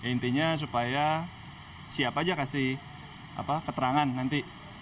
intinya supaya siap aja kasih keterangan nanti